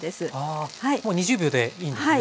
あもう２０秒でいいんですね。